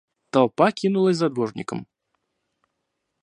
Толпа кинулась за дворником.